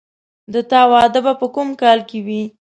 د تا واده به په کوم کال کې وي